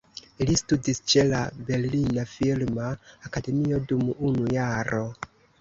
Li studis ĉe la "Berlina Filma Akademio" dum unu jaro.